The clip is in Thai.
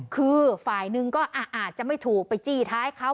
คือฝ่ายหนึ่งก็อาจจะไม่ถูกไปจี้ท้ายเขา